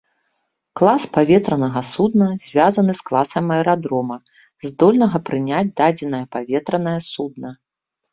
Клас паветранага судна звязаны з класам аэрадрома, здольнага прыняць дадзенае паветранае судна.